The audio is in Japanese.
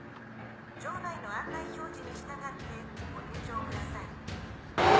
場内の案内表示に従ってご入場ください。